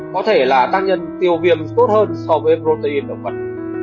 có thể là tác nhân tiêu viêm tốt hơn so với protein động vật